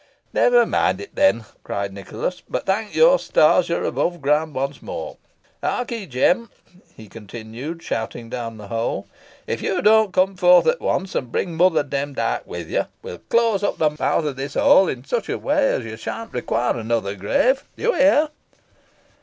"Never mind it, then," cried Nicholas; "but thank your stars you are above ground once more. Hark'ee, Jem!" he continued, shouting down the hole; "If you don't come forth at once, and bring Mother Demdike with you, we'll close up the mouth of this hole in such a way that you sha'n't require another grave. D'ye hear?"